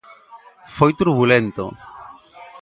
Foi turbulento.